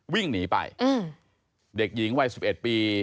วิ่งหนีไปเด็กหญิงวัย๑๑ปี